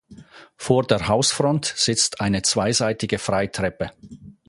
Vor der Hausfront sitzt eine zweiseitige Freitreppe.